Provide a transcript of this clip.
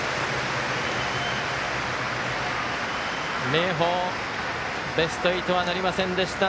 明豊、ベスト８はなりませんでした。